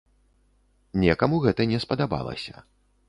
Некаму гэта не спадабалася.